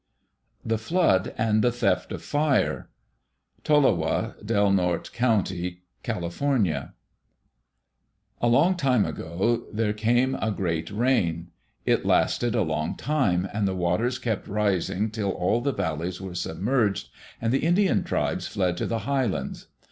The Flood and the Theft of Fire Tolowa (Del Norte Co., Cal.) Along time ago there came a great rain. It lasted a long time and the water kept rising till all the valleys were submerged, and the Indian tribes fled to the high lands.